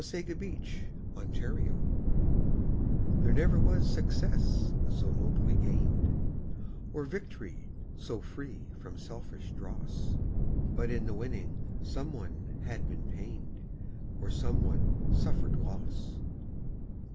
SUN SHADOWS There never was success so nobly gained, Or victory so free from selfish dross, But in the winning some one had been pained Or some one suffered loss.